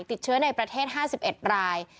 ติดเชื้อในประเทศ๕๑ราย